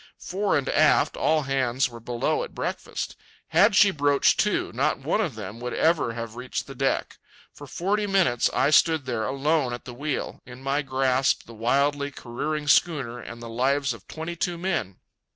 Fore and aft, all hands were below at breakfast. Had she broached to, not one of them would ever have reached the deck. For forty minutes I stood there alone at the wheel, in my grasp the wildly careering schooner and the lives of twenty two men.